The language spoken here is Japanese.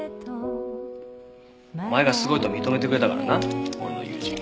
お前がすごいと認めてくれたからな俺の友人を。